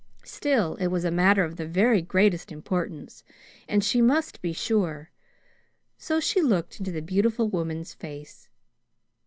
Still, it was a matter of the very greatest importance, and she must be sure; so she looked into the beautiful woman's face.